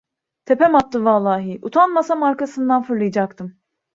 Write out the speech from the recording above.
Tepem attı vallahi. Utanmasam arkasından fırlayacaktım.